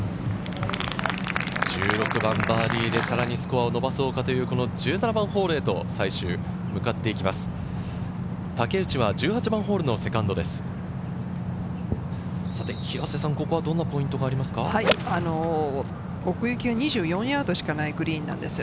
１６番、バーディーでさらにスコアを伸ばそうかという１７番ホールへと向かっていきます。